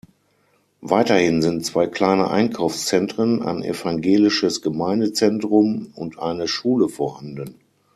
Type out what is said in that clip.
Weiterhin sind zwei kleine Einkaufszentren, ein evangelisches Gemeindezentrum und eine Schule vorhanden.